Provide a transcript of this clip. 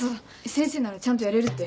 先生ならちゃんとやれるって。